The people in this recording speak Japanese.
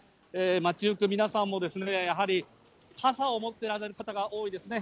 街行く皆さんも、やはり傘を持ってらっしゃる方が多いですね。